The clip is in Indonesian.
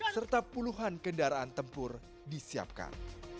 serta puluhan kendaraan tempur disiapkan